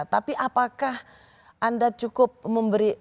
tapi apakah anda cukup memberi